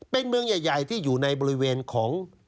เป็นเมืองใหญ่ที่อยู่ในบริเวณของ